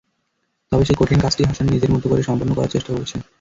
তবে সেই কঠিন কাজটিই হাসান নিজের মতো করে সম্পন্ন করার চেষ্টা করেছেন।